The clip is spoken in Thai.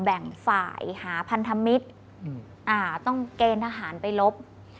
แบ่งฝ่ายหาพันธมิตรต้องเกณฑ์ทหารไปลบ